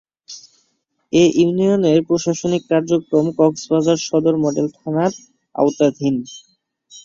এ ইউনিয়নের প্রশাসনিক কার্যক্রম কক্সবাজার সদর মডেল থানার আওতাধীন।